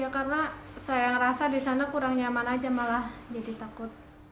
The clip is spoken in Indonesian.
ya karena saya merasa di sana kurang nyaman aja malah jadi takut